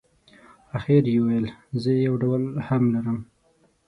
اخر یې وویل زه یو ډول هم لرم.